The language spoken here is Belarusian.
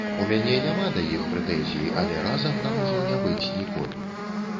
У мяне няма да іх прэтэнзій, але разам нам ужо не быць ніколі.